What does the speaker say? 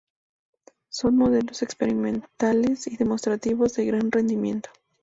Son modelos experimentales y demostrativos de gran rendimiento.